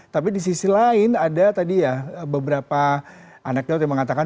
tapi di sisi lain ada tadi ya beberapa anak daud yang mengatakan